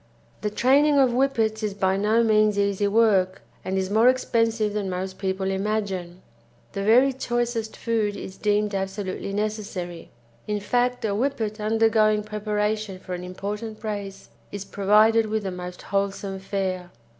The training of Whippets is by no means easy work, and is more expensive than most people imagine. The very choicest food is deemed absolutely necessary, in fact a Whippet undergoing preparation for an important race is provided with the most wholesome fare.